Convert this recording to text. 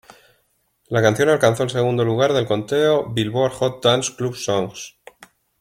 La canción alcanzó el segundo lugar del conteo "Billboard Hot Dance Club Songs".